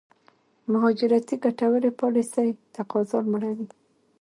مهاجرتي ګټورې پالېسۍ تقاضا لوړوي.